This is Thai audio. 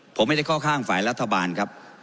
ผมไม่ได้เข้าข้างฝ่ายรัฐบาลครับ